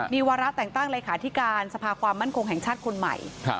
มีวาระแต่งตั้งเลขาธิการสภาความมั่นคงแห่งชาติคนใหม่